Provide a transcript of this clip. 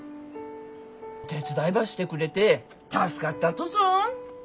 手伝いばしてくれて助かったとぞ。